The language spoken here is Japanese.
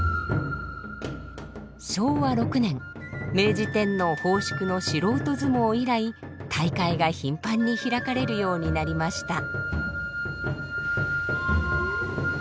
昭和６年明治天皇奉祝の素人相撲以来大会が頻繁に開かれるようになりました。